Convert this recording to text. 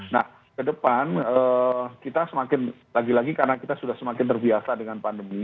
nah ke depan kita semakin lagi lagi karena kita sudah semakin terbiasa dengan pandemi